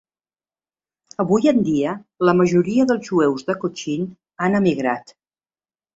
Avui en dia la majoria dels jueus de Cochin han emigrat.